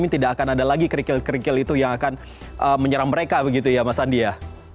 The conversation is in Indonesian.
tidak akan ada lagi kerikil kerikil itu yang akan menyerang mereka begitu ya mas andi ya